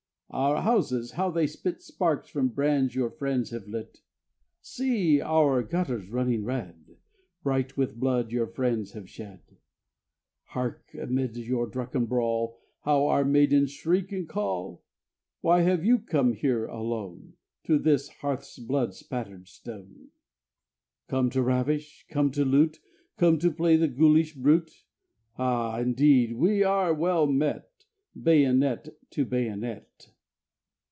Our houses, how they spit Sparks from brands your friends have lit. See! Our gutters running red, Bright with blood your friends have shed. Hark! Amid your drunken brawl How our maidens shriek and call. Why have YOU come here alone, To this hearth's blood spattered stone? Come to ravish, come to loot, Come to play the ghoulish brute. Ah, indeed! We well are met, Bayonet to bayonet.